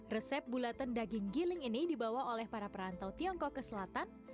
resep bulatan daging giling ini dibawa oleh para perantau tiongkok ke selatan